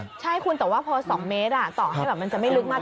ใช่คุณแต่ว่าพอ๒เมตรต่อให้แบบมันจะไม่ลึกมาก